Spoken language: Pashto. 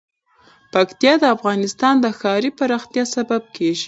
پکتیا د افغانستان د ښاري پراختیا سبب کېږي.